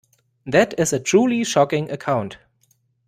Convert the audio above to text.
That is a truly shocking account.